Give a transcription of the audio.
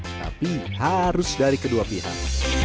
tapi harus dari kedua pihak